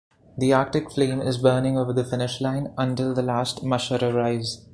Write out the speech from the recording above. The "Arctic Flame" is burning over the finish line, until the last musher arrives.